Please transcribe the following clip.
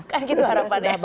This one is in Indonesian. kan gitu harapannya